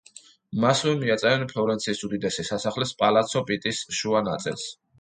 მასვე მიაწერენ ფლორენციის უდიდესი სასახლის პალაცო პიტის შუა ნაწილს.